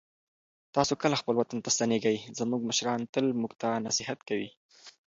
تاسې کله خپل وطن ته ستنېږئ؟ زموږ مشران تل موږ ته نصیحت کوي.